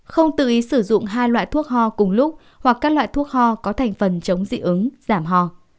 không tự ý sử dụng hai loại thuốc ho cùng lúc hoặc các loại thuốc ho có thành phần chống dị ứng giảm ho